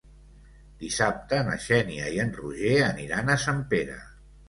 Dissabte na Xènia i en Roger aniran a Sempere.